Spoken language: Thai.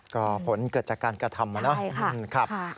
ก็ผลเกิดจากการกระทำเหรอเนอะครับอันนี้นะครับใช่ค่ะ